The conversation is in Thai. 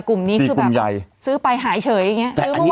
กลุ่มนี้ซื้อไปหายเฉยอย่างนี้